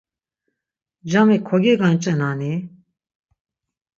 Cami kogegančenan-i?